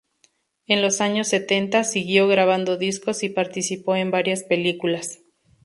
En los años setenta, siguió grabando discos y participó en varias películas.